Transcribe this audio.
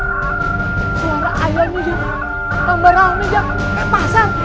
masa dikuburin ada pasar ayam